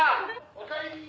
「おかえり！」